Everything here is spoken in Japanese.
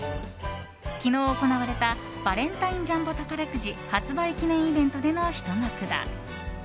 昨日行われたバレンタインジャンボ宝くじ発売記念イベントでのひと幕だ。